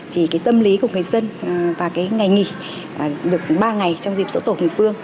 thì tâm lý của người dân và ngày nghỉ được ba ngày trong dịp dỗ tổ hùng vương